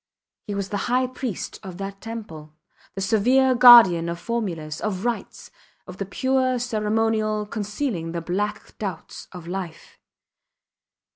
He was the high priest of that temple, the severe guardian of formulas, of rites, of the pure ceremonial concealing the black doubts of life.